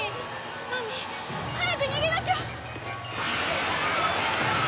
マミ早く逃げなきゃ！